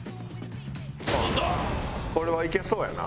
これはいけそうやな。